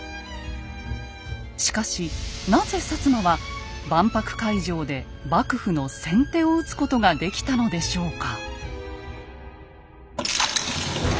しかしなぜ摩は万博会場で幕府の先手を打つことができたのでしょうか。